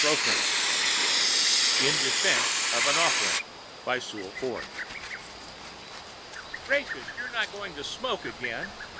[Pg 1248] IN DEFENSE OF AN OFFERING BY SEWELL FORD Gracious! You're not going to smoke again?